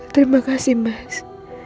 terima kasih mas